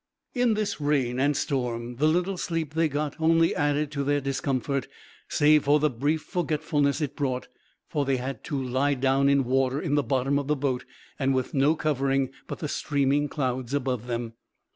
In this rain and storm the little sleep they got only added to their discomfort, save for the brief forgetfulness it brought; for they had to lie down in water in the bottom of the boat, and with no covering but the streaming clouds above them.